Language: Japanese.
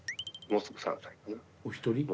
もうすぐ３はい。